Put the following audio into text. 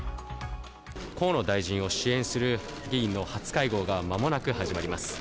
河野大臣を支援する議員の初会合が間もなく始まります。